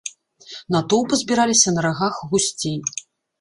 Натоўпы збіраліся на рагах гусцей.